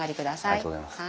ありがとうございます。